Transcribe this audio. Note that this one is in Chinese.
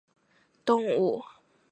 双栖跃蛛为跳蛛科跃蛛属的动物。